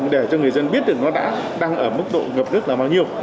để cho người dân biết được nó đã đang ở mức độ ngập nước là bao nhiêu